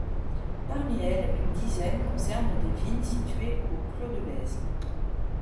Parmi elles, une dizaine, concerne des vignes situées au Clos de Bèze.